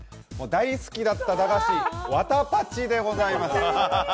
大好きだった駄菓子わたパチでございます。